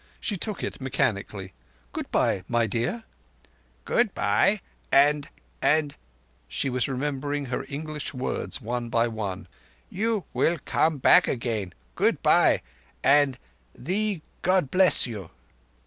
She took it mechanically. "Good bye, my dear." "Good bye, and—and"—she was remembering her English words one by one—"you will come back again? Good bye, and—thee God bless you."